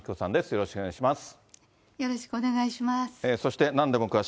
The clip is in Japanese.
よろしくお願いします。